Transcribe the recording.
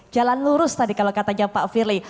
jalan lurus tadi kalau katanya pak firly